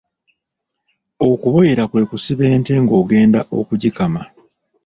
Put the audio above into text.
Okuboyera kwe kusiba ente ng’ogenda okugikama.